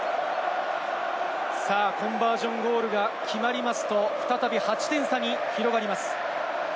コンバージョンゴールが決まると再び８点差に広がります。